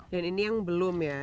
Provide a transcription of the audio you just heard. dan ini yang belum ya